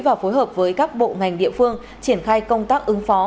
và phối hợp với các bộ ngành địa phương triển khai công tác ứng phó